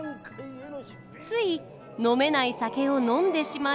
つい飲めない酒を飲んでしまい。